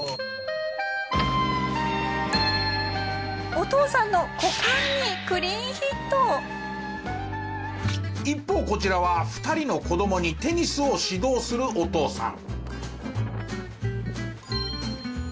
お父さんの一方こちらは２人の子供にテニスを指導するお父さん。